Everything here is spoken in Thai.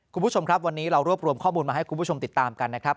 คุณผู้ชมครับวันนี้เรารวบรวมข้อมูลมาให้คุณผู้ชมติดตามกันนะครับ